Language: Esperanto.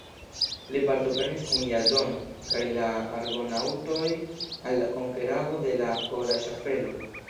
Li partoprenis kun Jazono kaj la Argonaŭtoj al la konkerado de la Ora Ŝaffelo.